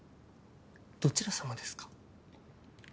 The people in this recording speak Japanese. どちら様ですか？